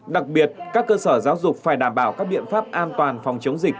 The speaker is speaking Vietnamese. đặc biệt các cơ sở giáo dục phải đảm bảo các biện pháp an toàn phòng chống dịch